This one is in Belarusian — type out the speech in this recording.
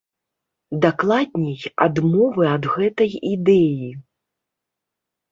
Дакладней, адмовы ад гэтай ідэі.